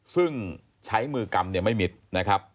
ซึ่งใช้มือกำเนี่ยไม่มิดนะครับ